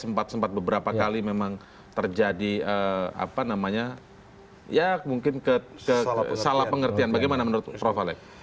sempat sempat beberapa kali memang terjadi apa namanya ya mungkin kesalah pengertian bagaimana menurut prof alex